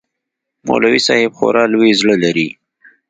مولوى صاحب خورا لوى زړه لري.